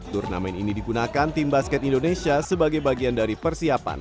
turnamen ini digunakan tim basket indonesia sebagai bagian dari persiapan